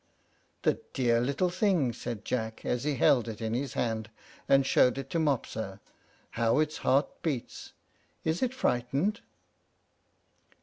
"The dear little thing!" said Jack, as he held it in his hand, and showed it to Mopsa; "how its heart beats. Is it frightened?"